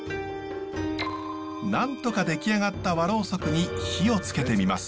なんとか出来上がった和ろうそくに火をつけてみます。